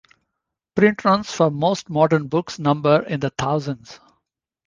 Print runs for most modern books number in the thousands.